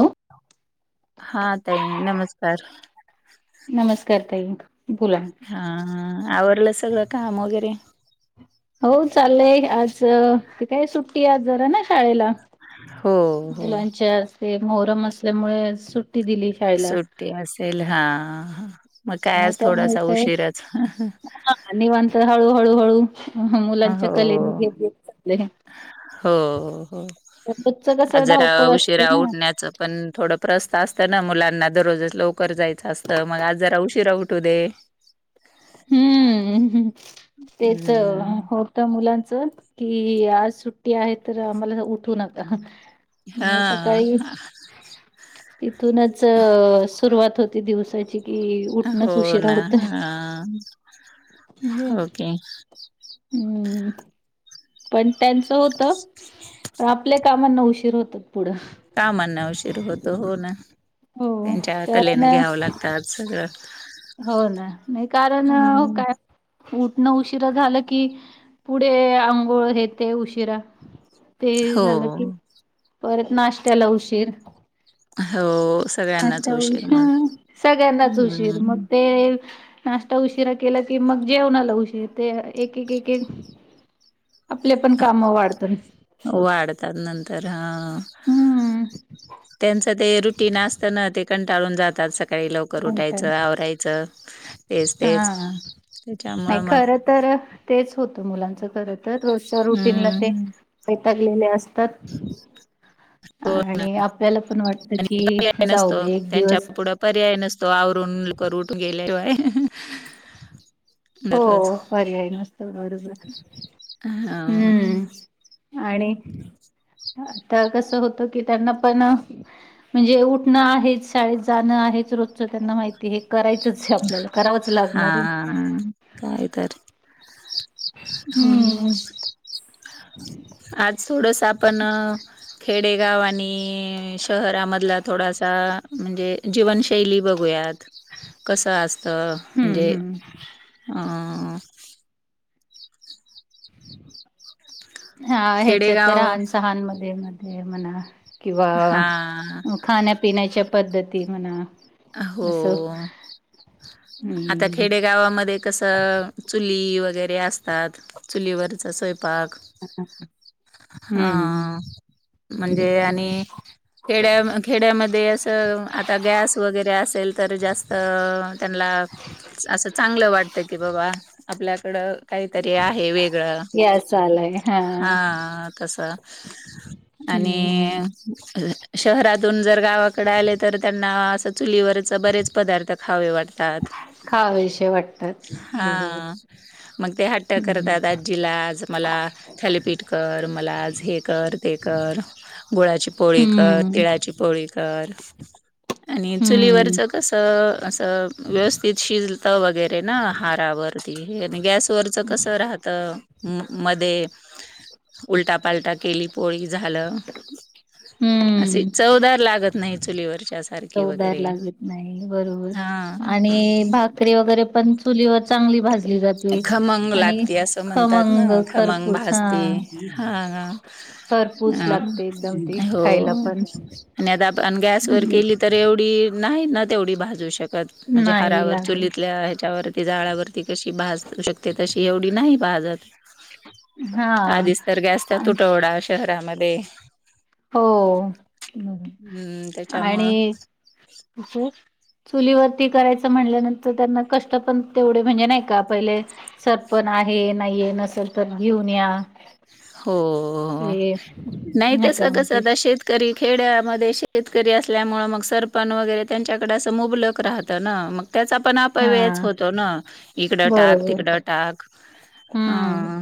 Hello. हा तई नमस्कार नमस्कार तैक हा आवरलं सगळं काम वगैरे हो चालेलय आज ते काय सुट्टी आज जरा ना शाळेला हो हो मुलांच्या अस मोहरम असल्यामुळे सुट सुट्टी असेल हा हा. काय मग आज त्यामुळे थोडासा काय उशीरच निवांच हळू हळूहळू मुलांच्या हो कलेने घेतेतले हो हो आ कसं जरा धावपळ असते उशिरा ना उठण्याचं पण थोड प्रस् असत ना मुलांना दररोज लवकर जायचं असतं मग आज जरा उशीिरा उठू दे हम्म्म् ते तर हम्म होत मुलां कि आज सुट्टी आहे तर आम्हाला उठू नका मग सकाळी हा तिथूनच सुरुवात होती दिवसाची कि उठणंच उशीिरा होत हम्म. होके हम्म पण त्यांचं होत पण आपल्या कामांना उशीर होत पुढं का म्हणणं उशीर होत हो ना हो त्यांच्या कारण कलेनं घ्यावं लागतात सगळं हो ना नाही कारण हा. काय उठणं उशिरा झालं की पुढे आंघोळ हेेते उशिरा ते झालं की हो परत नाश्त्याला उशीर हो मस्त सगळ्यांनाच उशीर उशी मग सगळ्यांनााच उशीर मग हम्म ते नाश्ता उशिरा केला की मग जेवणा आला उशीर ते एक एक एक एक आपले पण काम वाढतात त्यांच ते रुटीन असतना ते कंटाळून जातात सकाळी लवकर उठायचं आवरायचं तेच हा तेच त्याच्यामुळं नाही मग खर तर तेच होत मुलांचं खर तर रोजच्या रुटीनला ते हम्म बैतागलेले असतात हो आणि आपल्याला पण वाटत आणि कि पर्याय नसतो जाऊभे एक त्यांच्या दिवस पुढं पर्याय नसतो आवरून करठ गेले हो दररोज बर आहे नुसतं गरच हा आता कसं होतं की त्यांना पण म्हणजे उठणं आहे शाळेत जाणं आहे रोजचं त्यांना माहिती आहे करायचच आपल्याला करावंच लागणार आहे कायत र हम हम्म आज थोडस आपण खेडेगाव आणि शहरामधला थोडासा म्हणजे जीवनशैली बघूयात कस अस तर म्हणजे हम्म हम्म अ हा ह्याच्यात तर खेडेगाव लहान सहान मध्ये मध्ये म्हणा किंवा हा खाण्यापिण्याच्या पद्धती म्हणा हो असं आता हम्म खेडेगावामध्ये कस चुली वगैरे असात चुलीवर चसयपक हम्म हा म्हणजे आणि खेड्या खेड्यामध्ये अस आता गॅस वगैरे असेल तर जास्त त्यांना अस चांगलं वाटत की बाबा आपल्याकड का काहीतरी आहे वेगळं सल हा तस आणि हम्म शहरातून जर गावाकडे आले तर त्यांना अस चुलीवरच बरेच पदार्थ खावे वाटतात. खावेसे वाटतात बरोबर हा मग ते हट्ट हम्म करतात आज्जीला आज मला थालीपीठ कर, मला आज हे कर ते अ गुळाची पोळी कर, हम्म तिळाची पोळी कर आणी हम्म चुलीवरच कसं असं व्यवस्थित शिजत वगैरे ना आहारावरती गॅस वरच कस राहत मध्ये उलटा पालटा केली पोळी झालं, अशी हम्म चवदार लागत नाही चुलीवरच्या सारखी चवदार वगैरे बरोबर. हा आणि भाकरी वगैरे पण चुलीवर चांगली भाज खमंग लागते असं म्हणतात ना, खमंग खमंग खरपूस भाजते हा हा. खरपूस ह लागते एकदम ती हो खायला पण आणी आता अन् गॅस वर केली तर एवढी, नाही ना तेवढी भाजू शकत. म्हणजे नाही आहारावर, लागल चुलीतल्या ह्याच्यावरती जाळावरती कशी भाजू शकते तशी एवढी नाही भाजत. हा आधीच तर गॅसचा तुटवडा शहरामध्ये हो हम्म त्याच्यामुळं आणी चुलीवरती करायचं म्हणल्यानंतर त्यांना कष्ट पण तेवढे म्हणजे नाही का पहिले सरपण आहे नाहीये, नसेल तर घेऊन या. हो हे नाही तस का मग कस ते आता शेतकरी खेड्यामध्ये शेतकरी असल्यामुळे मग सरपण वगैरे त्यांच्याकडे असं मुबलक राहत ना मग त्याचा पण हा अपव्ययच होतो ना, इकडं टाक बरोबर तिकडं टाक. हम्म हा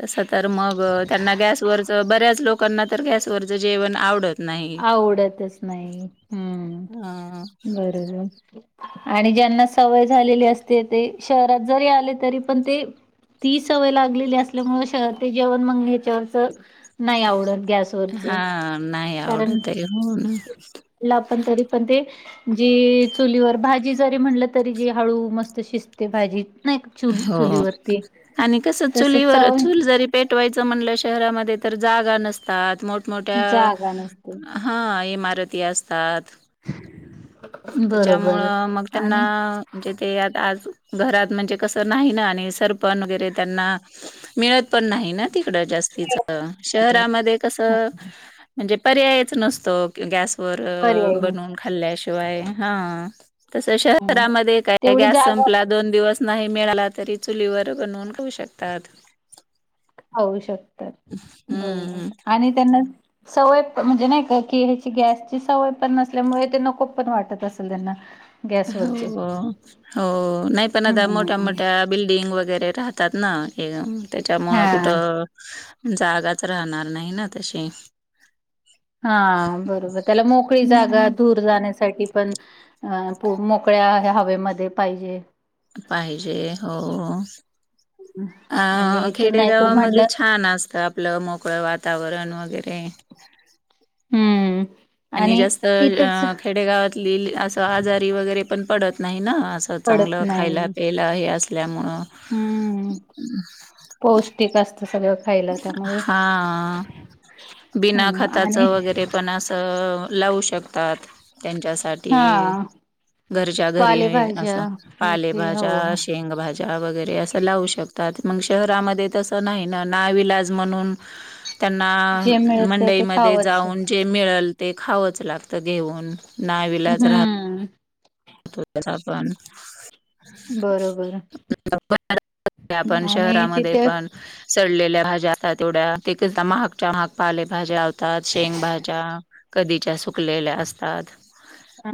तस तर मग त्यांना गॅसवरच बऱ्याच लोकांना तर गॅसवरचं जेवण आवडत नाही. आवडतच नाही हम्म हां. बरोबर आणि ज्यांना सवय झालेली असते ते शहरात जरी आले तरी पण ते ती सवय लागलेली असल्यामुळे शहर ते जेवण मग ह्याच्यावरच नाही आवडल. गॅसवररच हां, नाही कारण आवडत आहे. हो ना. पण तरी पण ते जी चुलीवर भाजी जरी म्हणलं तरी ती हळू मस्त शिजते भाजी. नाही का चु हो चुलीवरती आणि कस तस चुलीवर चव चूल जरी पेटवायच म्हणल घरामध्ये तर जागा नसतात मोठमोठ्या जागा नसते. ह इमारती असतात. बरोबर त्याच्यामुळं मग त्यांना आणि म्हणजे ते आज घरात म्हणजे कस नाही ना आणि तसं पण वगैरे त्यांना मिळत पण नाही ना. इकडे जास्तीचं. शहरामध्ये कस म्हणजे पर्यायच नसतो. गॅस वर पर्याय बनवून खाल्ल्याशि वाय ह तसं नसतो. शहरांमध्ये काय तेवढी गॅस जागा संपला दोन दिवस नाही मिळाला तरी चुलीवर बनवून खाउ शकतात. होऊ शकतात, बरोबर हम्म, आणि त्यांना सवयपण म्हणजे नाही का ह्याची गॅसची सवयपण नसल्यामुळे ते नकोपण वाटत असेल त्यांना. हो गॅसवरचे हो नाही पण आता मोठ्या हम्म मोठ्या बिल्डिंग वगैरे राहतात ना एकदम त्याच्यामुळं हा कुठं जागाच राहणार नाही ना तशी. हा बरोबर त्याला मोकळी जागा हम्म. धूर जाण्यासाठी पण हा मोकळ्या हवेमध्ये पाहिजे. पाहिजे हो. अ आणि तर नाही तर खेडेगावामध्ये म्हणलं छान असत आपलं मोकळं वातावरण वगैरे. वगैरे. हम्म. आणि जास्त खेडेगावातली असं आजारी वगैरे पण पडत नाही ना. असं पडत चांगलं नाही खायला, प्यायला हे असल्यामुळं हम्म पौष्टिक असत सगळ. हा बिना हम्म खताच आणि वगैरे पण असं लावू शकतात त्यांच्यासाठी हा घरच्या घरी पालेभाज्या असं हे ते हो पालेभाज्या, शेंग भाज्या, भाज्या वैगरे अस लाऊशकतात. मग शहरामध्ये तस नाही ना ना विलाज म्हणून त्यांना जे मिळते ते मंडईमध्ये खावंच जाऊन जे मिळेल ते खावंच लागत घेऊन. नाईलाज राहतोच हम्म. [inaudible] बरोबर. आणि शहरामध्ये तिथे पण सडलेल्या भाज्या जाता तेवढ्या ते महागच्या महाग पालेभाज्या शेंग भाज्या, कधीच्या सुकलेल्या असतात.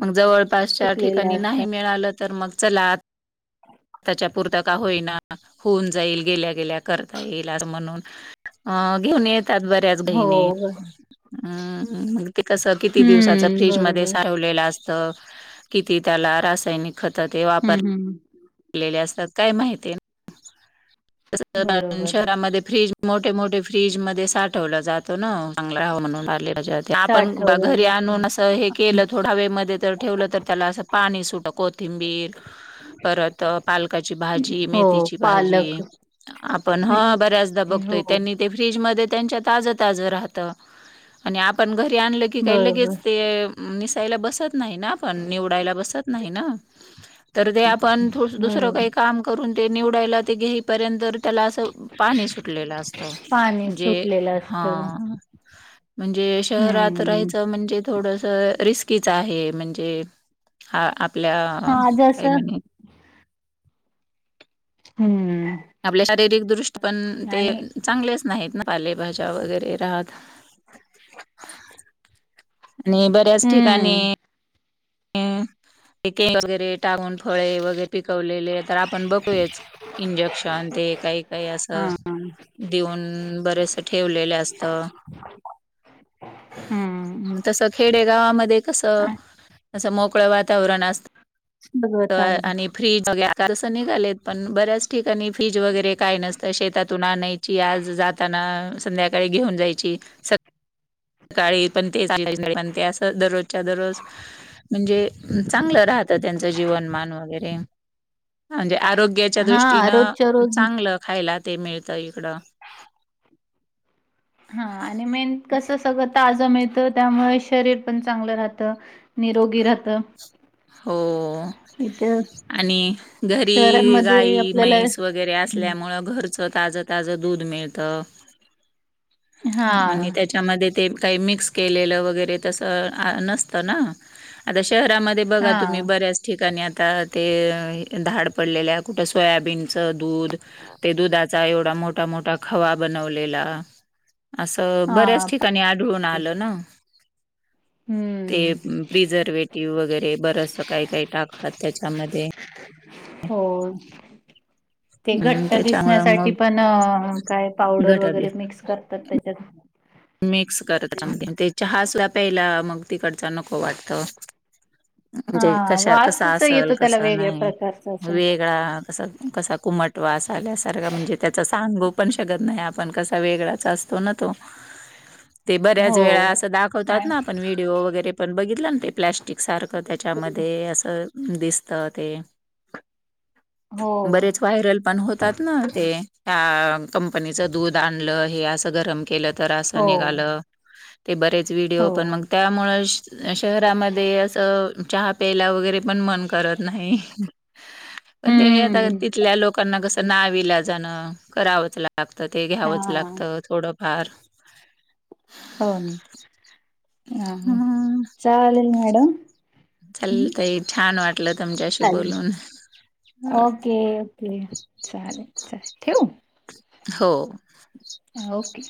मग जवळपासच्या ठि सुकलेल्या काणी नाही असतात मिळालं तर मग चला आता पुरता का होईना होऊन जाईल. गेल्या गेल्या करता येईल अस म्हणून घेऊन य त्यात बऱ्याच हो गृहिणी हम्म ते कस किती दिवसाच हम्म फ्रीजमध्येध्ये बरोबर साठवलेलं असत. ती त्याला रासायनिक खत ते वापर हम्म हम्म केलेली असतात. काय माहिती [inaudible] बरोबर शहरा फ्रीज मोठे मोठे फ्रीज मध्ये साठवलं जात ना चांगल रहाव म्हणून, पालेभाज्या ते आपण घरी साठवलं आणून अस हे केलं थोडा वेळ मध्ये तर ठेवलं तर त्याला पाणी सुट कोथिंबीर परत पालकाची भाजी, हो मेथीची पालक भाजी, आपण ह बऱ्याचदा मेथी हो बघतोय त्यांनी ते फ्रीजमध्ये त्यांच्या ताज ताज राहत. आणि आपण घरी आणलं की काही बरोबर लगेच ते निसायला बसत नाही. पण निवडाय बसत नाही ना तर ते आपण दुसरं बरोबर काही काम करून ते निवडायला ते घेईपर्यंत त्याला असं पाणी सुटलेलं असत पाणी म्हणजे सुटलेलं असतं हा. म्हणजे शहरात हम्म राहायचं म्हणजे थोडस रिस्कीच आहे म्हणजे ते ह आपल्या हा काही जसं म्हणे हम्म. आपल्या शारीरिक दृष्टी पण ते आणि चांगलेच नाहीत ना पालेभाज्या वगैरे राहत आणि बऱ्याच ठिकाणी हम्म केमिकल वैगरे, टाकुण फळे वगैरे, पिकवलेले तर आप पण बघूच इंजेक्शन ते काही, काही, असं हा देऊन बरेस ठेवलेलं असत हम्म तस खेडेगावामध्ये कस असं मोकळं वातावरण असत, सगळं ताज आणि फ्रीज वगैरे कालस निघालेत, पण बऱ्याच ठिकाणी फ्रिज वगैरे काय नसतं, शेतातून आणायची आज जाताना संध्याकाळी घेऊन जायची स काळी पण ते, पण ते असं दररोजच्या, दररोज म्हणजे चांगलं राहतं त्यांचं जीवनमान वगैरे म्हणजे आरोग्याच्या हा रोजच्या दृष्टीनं रोज चांगलं खायला ते मिळत इकड हा आणि मेन कस सगत ताजं मिळतं, त्यामुळे शरीर पण चांगलं राहतं, निरोगी राहत. हो! इथ आणि घरी शहरांमध्ये गाई आपल्याला म्हैस वगैरे असल्यामुळे घरच ताजं, ताजं, दूध मिळत. हा आणि त्याच्यामध्ये. ते काही मिक्स केलेलं वगैरे, तसं नसतं ना, आता शहरामध्ये बघा, हा तुम्ही बऱ्याच ठिकाणी आता आता ते धाड पडलेल्या, कुठ सोयाबीनच दूध, ते दुधाचा एवढा मोठा, मोठा, खवा बनवलेला असं हा बऱ्याच ठिकाणी, आढळून आलं ना ते हम्म प्रिझर्वेटिव्ह वगैरे बरंस काही, काही, टाकतात त्याच्यामध्ये हो! ते हम्म घट्ट त्याच्यामुळ दिसण्यासाठी, मग पण काय पावडर घट वगैरे, मिक्स करतात त्याच्यात. मिक्स करतात त्याच्यामध्ये, ते चहा असला प्यायला, मग तिकडचा नको वाटत. म्हणजे हा कशा कस वासच असल, येतो त्याला कसं वेगळ्या नाही. प्रकारचा अस वेगळा कस कसा कुमट वास अल्यासारखा, म्हणजे त्याचा सांगू पण शकत नाही. पण कसा वेगळाच असतो ना तो ते बऱ्याच वेळा हो असं दाखवतात ना, आपण व्हिडीिओ वगैरे पण बघितलं ना ते प्लॅस्टिक सारखं, त्याच्यामध्ये असं दिसत ते हो बरेच व्हायरल पण हो तात न ते अ कंपनीच दूध आणलं हे अस गरम केल हो निघालं ते बरेच व्हिडिओ पण हो मग त्यामुळ शहरामध्ये असं चहा प्यायला वगैरे, पण मन करत नाही. पण ते आता हम्म. तिथल्या लोकांना कसं ना विलाजाणं करावंच लाग त ते हा घ्यावंच लागत थोडंफार. हो म चालेल मॅडम चला हम्म. ताई छान वाटलं तुमच्याशी चालेल. बोलून. ओके ओके चालेल, चालेल ठेऊ. हो! ओके.